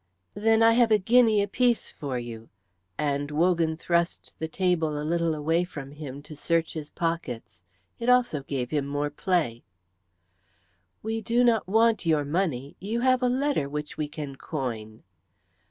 "Then I have a guinea apiece for you," and Wogan thrust the table a little away from him to search his pockets. It also gave him more play. "We do not want your money. You have a letter which we can coin."